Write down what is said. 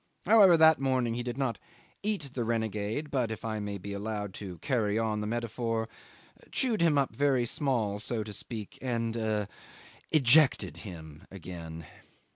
However, that morning he did not eat the renegade, but, if I may be allowed to carry on the metaphor, chewed him up very small, so to speak, and ah! ejected him again.